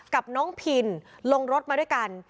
กับน้องพินลงรถมาด้วยกัน